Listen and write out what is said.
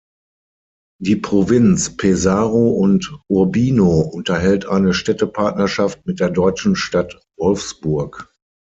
Die Provinz Pesaro und Urbino unterhält eine Städtepartnerschaft mit der deutschen Stadt Wolfsburg.